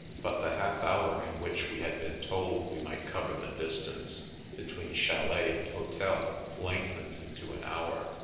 But the half hour in which we had been told we might cover the distance between chalet and hotel lengthened into an hour.